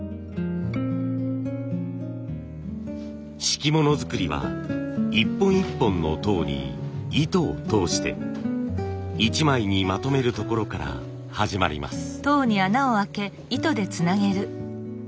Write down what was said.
敷物作りは一本一本の籐に糸を通して一枚にまとめるところから始まります。